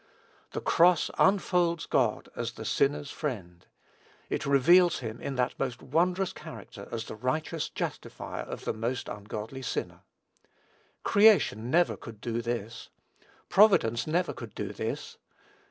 The cross unfolds God as the sinner's Friend. It reveals him in that most wondrous character as the righteous Justifier of the most ungodly sinner. Creation never could do this. Providence never could do this.